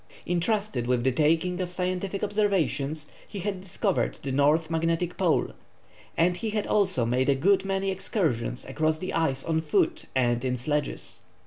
Entrusted with the taking of scientific observations, he had discovered the north magnetic pole, and he had also made a good many excursions across the ice on foot and in sledges.